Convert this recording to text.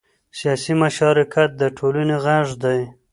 سیاسي مشارکت د ټولنې غږ دی